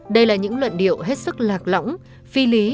đây là những luận điệu hết sức lạc lõng phi lý